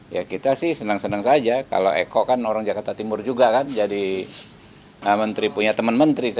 ya kita sih senang senang saja kalau eko kan orang jakarta timur juga kan jadi menteri punya teman menteri